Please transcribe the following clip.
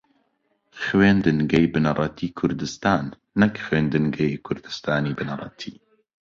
خوێندنگەی بنەڕەتیی کوردستان نەک خوێندنگەی کوردستانی بنەڕەتی